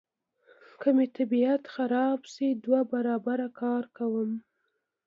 که مې طبیعت خراب شي دوه برابره کار کوم.